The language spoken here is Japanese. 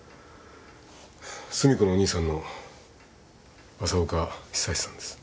寿美子のお兄さんの浅岡久志さんです。